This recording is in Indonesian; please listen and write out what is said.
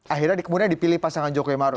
akhirnya kemudian dipilih pasangan jokowi maru